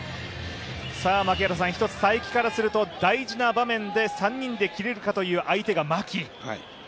才木からすると、大事な場面で３人で切れるかという相手が牧。